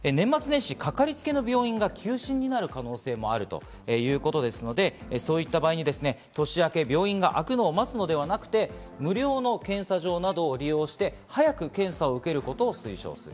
年末年始、かかりつけの病院が休診になる可能性もあるということですので、そういった場合に年明けに病院が開くのを待つのではなく、無料の検査場などを利用して、早く検査を受けることを推奨する。